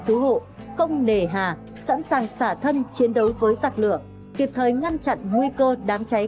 cứu hộ không nề hà sẵn sàng xả thân chiến đấu với giặc lửa kịp thời ngăn chặn nguy cơ đám cháy